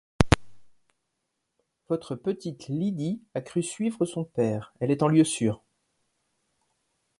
Votre petite Lydie a cru suivre son père, elle est en lieu sûr...